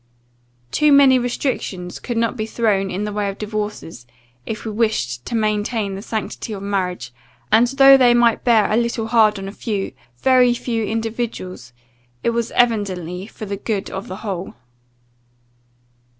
Too many restrictions could not be thrown in the way of divorces, if we wished to maintain the sanctity of marriage; and, though they might bear a little hard on a few, very few individuals, it was evidently for the good of the whole."